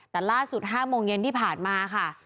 แต่ล่าสุด๕โมงเย็นที่ผ่านมาค่ะ